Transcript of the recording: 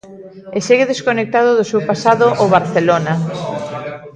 E segue desconectado do seu pasado o Barcelona.